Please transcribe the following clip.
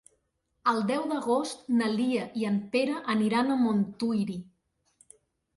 El deu d'agost na Lia i en Pere aniran a Montuïri.